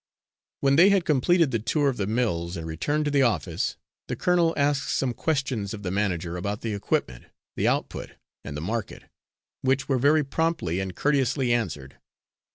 When they had completed the tour of the mills and returned to the office, the colonel asked some questions of the manager about the equipment, the output, and the market, which were very promptly and courteously answered.